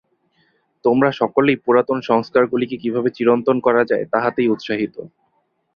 তোমরা সকলেই পুরাতন সংস্কারগুলিকে কিভাবে চিরন্তন করা যায়, তাহাতেই উৎসাহিত।